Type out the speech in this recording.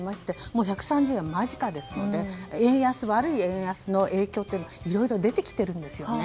もう１３０円間近ですので悪い円安の影響はいろいろ出てきているんですね。